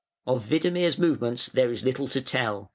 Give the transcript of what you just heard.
Of Widemir's movements there is little to tell.